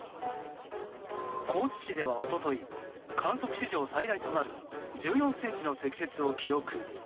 高知市では一昨日観測史上最大となる１４ｃｍの積雪を記録。